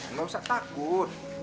nggak usah takut